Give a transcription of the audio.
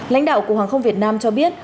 lãnh đạo cục hoàng không việt nam cho biết